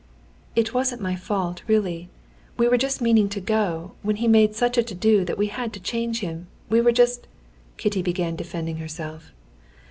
"It wasn't my fault, really. We were just meaning to go, when he made such a to do that we had to change him. We were just...." Kitty began defending herself.